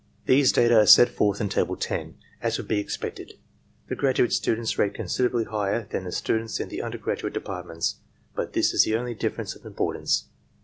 These data are set forth in Table 10. As would be expected, the graduate students rate considerably higher than the students in the undergraduate departments, but this is the only difference of importance.